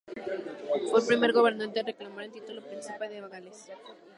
Fue el primer gobernante en reclamar el título de Príncipe de Gales.